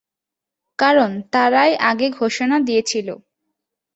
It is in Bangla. কারণ তারাই আগে ঘোষণা দিয়েছিল।